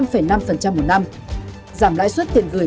năm năm phần trăm một mươi năm giảm lãi suất tiền gửi